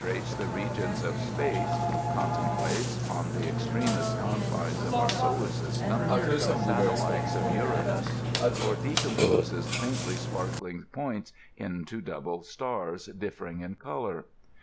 tes the regions of space, contemplates, on the extremest confines of our solar system, the satellites of Uranus, or decomposes faintly spark ling points into double stars diflering in color.